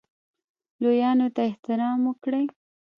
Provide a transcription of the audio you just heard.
لویانو ته احترام وکړئ